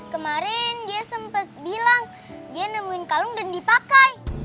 kemarin dia sempat bilang dia nemuin kalung dan dipakai